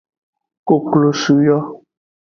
Koklosu yo.